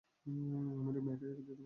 আমি রুমে একাই যেতে পারব।